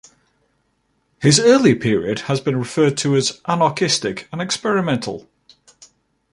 His early period has been referred to as ", anarchistic and experimental".